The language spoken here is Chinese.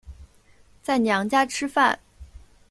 在娘家吃饭